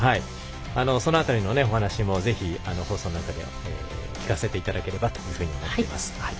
その辺りのお話もぜひ放送の中で聞かせていただければというふうに思っています。